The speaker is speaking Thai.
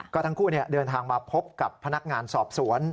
ก็ทั้งคู่เดินทางมาพบกับพนักงานสอบสวน